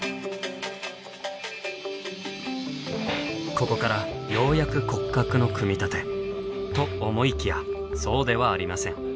ここからようやく骨格の組み立てと思いきやそうではありません。